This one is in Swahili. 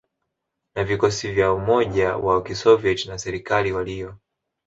na vikosi vya umoja wa Kisoviet na serikali waliyo